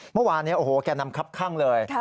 เมื่อวานนี้โอ้โหแก่นำคับข้างเลย